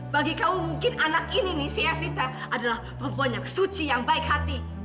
bagi kamu mungkin anak ini nih si avita adalah perempuan yang suci yang baik hati